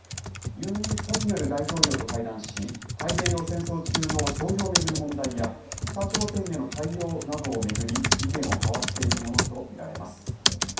ユン・ソンニョル大統領と会談し、太平洋戦争中の徴用を巡る問題や、北朝鮮への対応などを巡り、意見を交わしているものと見られます。